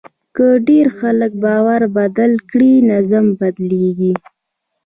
که ډېر خلک باور بدل کړي، نظم بدلېږي.